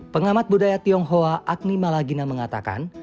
pengamat budaya tionghoa agni malagina mengatakan